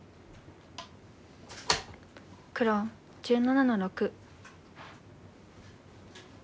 黒１７の六。